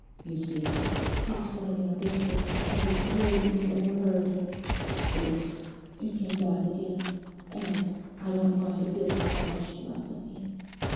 'You see,' he explained in a whisper, as if afraid of being overheard, 'it—it came back again, and—I don't mind a bit how much you laugh at me!